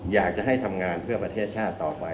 อยากจะให้ทำงานเพื่อประเทศชาติต่อไป